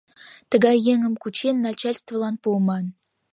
Тыгай еҥым кучен, начальствылан пуыман.